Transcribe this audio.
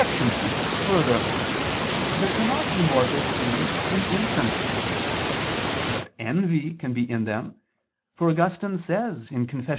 2: Further, there cannot be mortal sin in infants. But envy can be in them, for Augustine says (Confess.